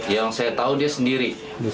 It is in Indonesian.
yang saya tahu dia sendiri